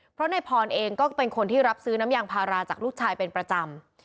เพราะในพรเองก็เป็นคนที่รับซื้อน้ำยางพาราจากลูกชายเป็นประจำ